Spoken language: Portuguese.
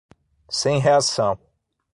Sem reação